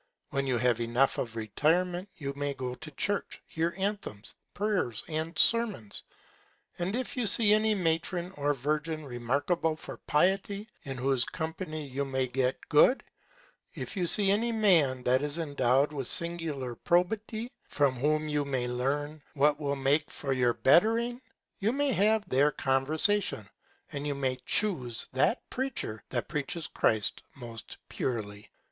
When you have enough of Retirement, you may go to Church, hear Anthems, Prayers and Sermons; and if you see any Matron or Virgin remarkable for Piety, in whose Company you may get good; if you see any Man that is endow'd with singular Probity, from whom you may learn what will make for your bettering, you may have their Conversation; and you may chuse that Preacher that preaches Christ most purely.